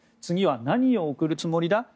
次は何を送るつもりだ？